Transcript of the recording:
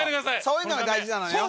そういうのが大事なのよ